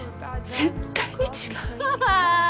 絶対に違う。